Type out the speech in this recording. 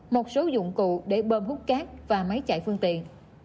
một số dụng cụ để bơm hút cát và máy chạy phương tiện